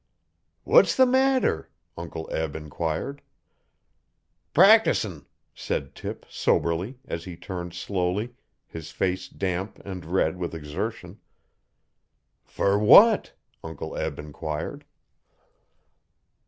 'What's the matter?' Uncle Eb enquired. 'Practicin',' said Tip soberly, as he turned slowly, his face damp and red with exertion. 'Fer what?' Uncle Eb enquired.